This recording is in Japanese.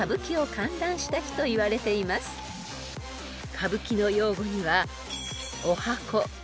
［歌舞伎の用語には］